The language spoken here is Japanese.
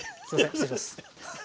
失礼します。